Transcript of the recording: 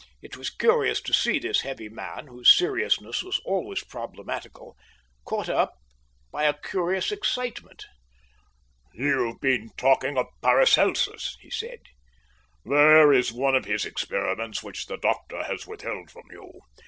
It was curious to see this heavy man, whose seriousness was always problematical, caught up by a curious excitement. "You've been talking of Paracelsus," he said. "There is one of his experiments which the doctor has withheld from you.